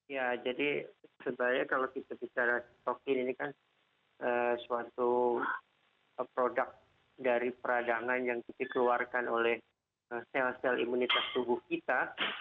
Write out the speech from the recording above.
ya jadi sebenarnya kalau kita bicara stokin ini kan suatu produk dari peradangan yang dikeluarkan oleh sel sel imunitas tubuh kita